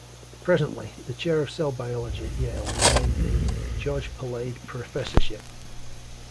Presently, the Chair of Cell Biology at Yale is named the "George Palade Professorship".